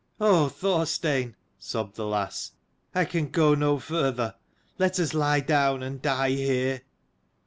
"Oh, Thorstein," sobbed the lass, "I can go no farther: let us lie down and die here."